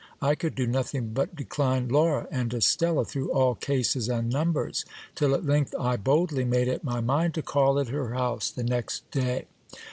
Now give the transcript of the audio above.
I could do nothing but decline Laura and Estella through all cases and numbers ; till at length I boldly made up my mind to call at her house the next day.